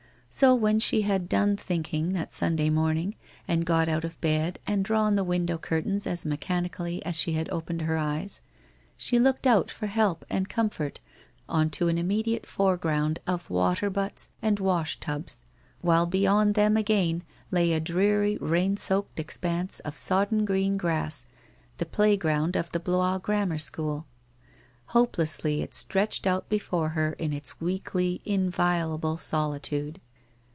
So when she had done thinking that Sunday morning and got out of bed and drawn the window curtains as mechanically as she had opened her eyes, she looked out for help and comfort on to an immediate foreground^ of water butts and wash tubs, while beyond them again lay a dreary rain soaked expanse of sodden green grass, the playground of the Blois Grammar School. Hopelessly it stretched out before her in its weekly inviolable solitude.